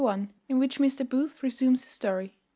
_In which Mr. Booth resumes his story.